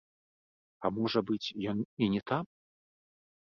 А можа быць, ён і не там?